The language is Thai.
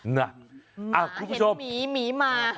หมาเห็นหมีหมีหมา